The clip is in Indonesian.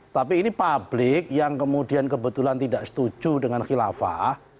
tapi ini publik yang kemudian kebetulan tidak setuju dengan khilafah